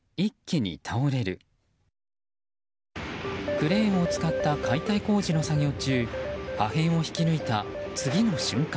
クレーンを使った解体工事の作業中破片を引き抜いた次の瞬間。